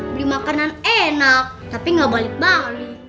beli makanan enak tapi gak balik balik